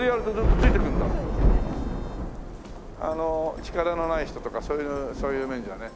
力のない人とかそういうそういう面じゃね。